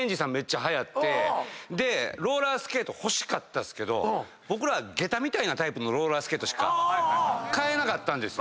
ローラースケート欲しかったけど僕ら下駄みたいなタイプのローラースケートしか買えなかったんですよ。